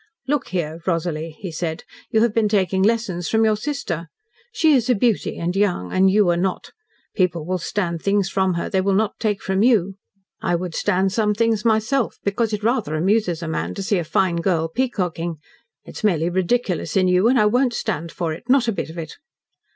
"Look here, Rosalie," he said. "You have been taking lessons from your sister. She is a beauty and young and you are not. People will stand things from her they will not take from you. I would stand some things myself, because it rather amuses a man to see a fine girl peacocking. It's merely ridiculous in you, and I won't stand it not a bit of it."